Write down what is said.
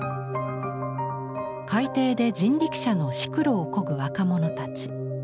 海底で人力車のシクロをこぐ若者たち。